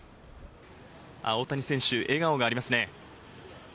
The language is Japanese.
大谷選手、笑顔がありますね。